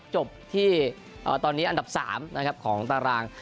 จบที่ตอนนี้อันดับ๓ของตาราง